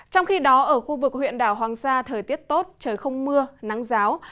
trong khi đó ở khu vực huyện đảo hoàng sa thời tiết tốt trời không mưa nắng giáo